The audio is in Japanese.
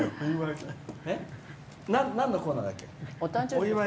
なんのコーナーだっけ？